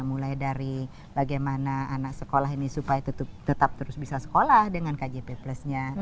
mulai dari bagaimana anak sekolah ini supaya tetap terus bisa sekolah dengan kjp plusnya